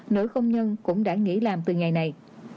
nữ công nhân cũng đã nghỉ làm từ ngày này